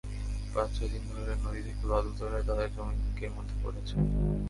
পাঁচ-ছয় দিন ধরে নদী থেকে বালু তোলায় তাঁদের জমি হুমকির মধ্যে পড়েছে।